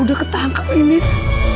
udah ketangkap ya nis